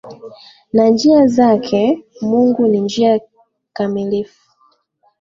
Na njia zake mungu ni njia kamilifu.